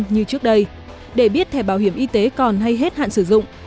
như trước đây để biết thẻ bảo hiểm y tế còn hay hết hạn sử dụng